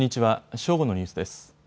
正午のニュースです。